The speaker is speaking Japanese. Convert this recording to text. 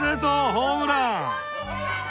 ホームラン！